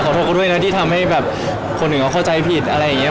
โทษด้วยนะที่ทำให้แบบคนอื่นเขาเข้าใจผิดอะไรอย่างนี้